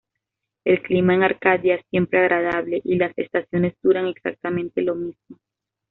El clima en Arcadia es siempre agradable, y las estaciones duran exactamente lo mismo.